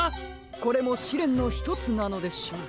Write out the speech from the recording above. これもしれんのひとつなのでしょう。